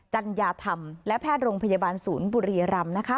จัญญาธรรมและแพทย์โรงพยาบาลศูนย์บุรีรำนะคะ